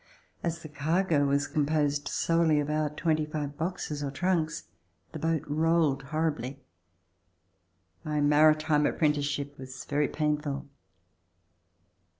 As the cargo was composed solely of our twenty five boxes or trunks, the boat rolled horribly. My maritime apprenticeship was very painful.